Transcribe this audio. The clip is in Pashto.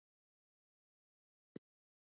آیا د وچې میوې بازار په اختر کې تودیږي؟